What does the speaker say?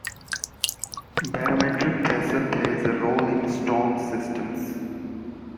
Barometric pressure plays a role in storm systems.